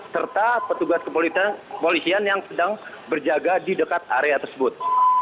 serta petugas kepolisian yang sedang berjaga di dekat area tersebut